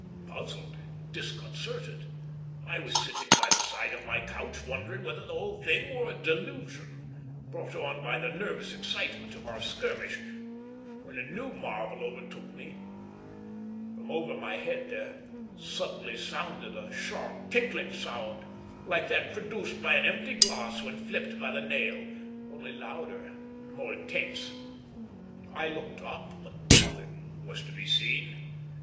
Puzzled and disconcerted, I was sitting by the side of my couch wondering whether the whole thing were a delusion, brought on by the nervous excitement of our skirmish, when a new marvel overtook me. From over my head there suddenly sounded a sharp, tinkling sound, like that produced by an empty glass when flipped by the nail, only louder and more intense. I looked up, but nothing was to be seen.